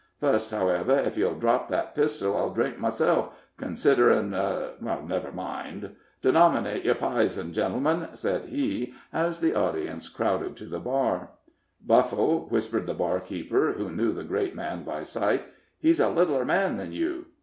Fust, however, ef ye'll drop that pistol, I'll drink myself, considerin' never mind. Denominate yer pizen, gentlemen," said he, as the audience crowded to the bar. "Buffle," whispered the barkeeper, who knew the great man by sight, "he's a littler man than you."